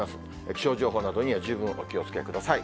気象情報などには十分お気をつけください。